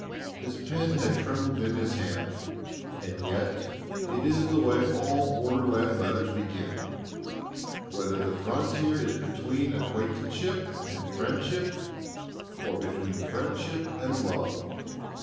His pen had trembled in his hand. And yet it is the way all borderland letters begin, whether the frontier is between acquaintanceship and friendship, or between friendship and love.